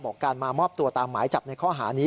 การมามอบตัวตามหมายจับในข้อหานี้